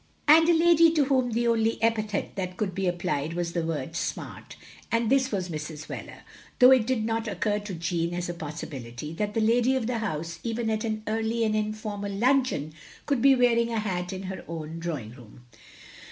And a lady to whom the only epithet that cotild be applied was the word " smart, *' and this was Mrs. Wheler; though it did not occur to Jeanne as a possibility, that the lady of the house, even at an early and informal luncheon, could be wearing a hat in her own drawing room.